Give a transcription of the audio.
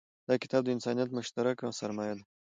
دا کتاب د انسانیت مشترکه سرمایه ده.